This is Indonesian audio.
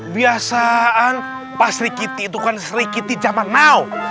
biasaan pak sri kiti itu kan sri kiti zaman now